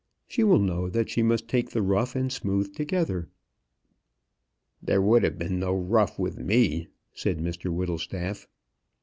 She will know that she must take the rough and smooth together." "There would have been no rough with me," said Mr Whittlestaff.